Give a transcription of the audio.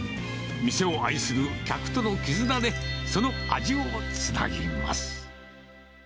店を愛する客との絆で、その味をつなぎます。